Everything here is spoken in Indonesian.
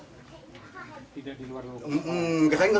tidak di luar luar sekolah